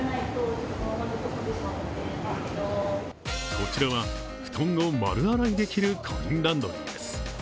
こちらは布団を丸洗いできるコインランドリーです。